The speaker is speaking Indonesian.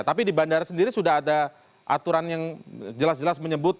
tapi di bandara sendiri sudah ada aturan yang jelas jelas menyebut